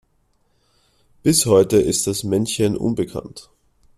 Bis heute ist das Männchen unbekannt.